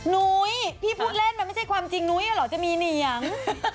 นุ้ยพี่พูดเล่นมันไม่ใช่ความจริงนุ้ยเหรอจะมีเหนียง